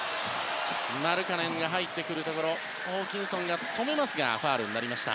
マルカネンが入ってきたところホーキンソンが止めますがファウルになりました。